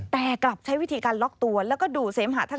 แต่กลับใช้วิธีการล็อกตัวแล้วก็ดูเสมหะ